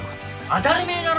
当たりめぇだろ。